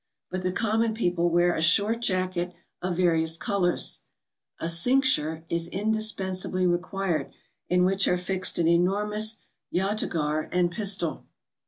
But the common people wear a short jacket of various colours. A cincture is MOUNT TAURUS. 193 indispensably required, in which are fixed an enormous yatagar and pistol.